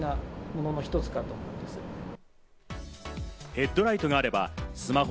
ヘッドライトがあればスマホ